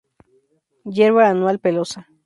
Hierba anual, pelosa.